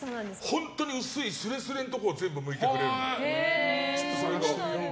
本当に薄いすれすれのところを全部むいてくれる。